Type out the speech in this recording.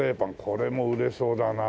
これも売れそうだな。